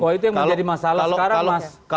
wah itu yang menjadi masalah sekarang mas